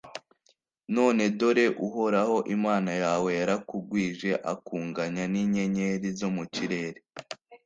none dore uhoraho imana yawe yarakugwije, akunganya n’inyenyeri zo mu kirere.